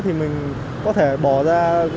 thì mình có thể bỏ ra giá khoảng tầm bốn mươi triệu